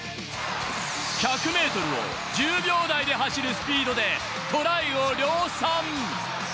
１００ｍを１０秒台で走るスピードでトライを量産！